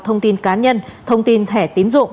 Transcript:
thông tin cá nhân thông tin thẻ tím dụng